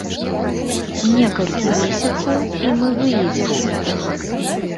Некалькі месяцаў, і мы выедзем з гэтага.